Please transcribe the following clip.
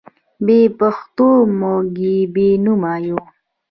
بې پښتوه موږ بې نومه یو.